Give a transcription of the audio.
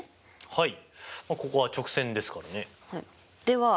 はい。